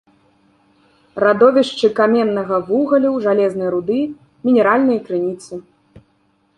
Радовішчы каменнага вугалю, жалезнай руды, мінеральныя крыніцы.